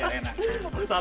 masuk ke sini